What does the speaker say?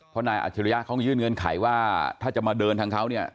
เพราะนายอัจฉริยะเขายื่นเงื่อนไขว่าถ้าจะมาเดินทางเขาเนี่ย